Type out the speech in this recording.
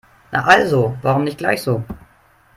Na also, warum nicht gleich so?